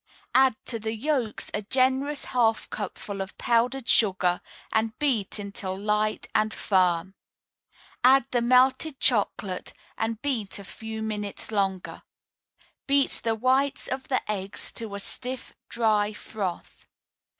Add to the yolks a generous half cupful of powdered sugar, and beat until light and firm. Add the melted chocolate, and beat a few minutes longer. Beat the whites of the eggs to a stiff, dry froth.